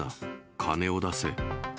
金を出せ。